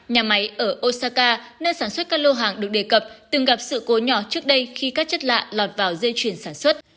nhà máy ở osaka nơi sản xuất các lô hàng được đề cập từng gặp sự cố nhỏ trước đây khi các chất lạ lọt vào dây chuyển sản xuất